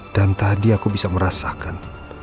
dan tadi aku bisa merasakan